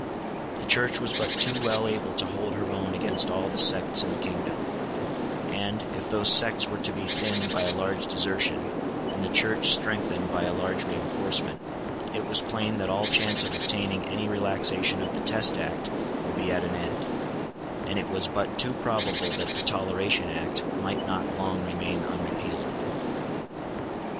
The Church was but too well able to hold her own against all the sects in the kingdom; and, if those sects were to be thinned by a large desertion, and the Church strengthened by a large reinforcement, it was plain that all chance of obtaining any relaxation of the Test Act would be at an end; and it was but too probable that the Toleration Act might not long remain unrepealed.